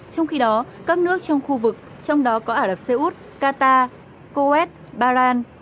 trong khi đó các nước trong khu vực trong đó có ả rập xê út qatar kuwait bahrain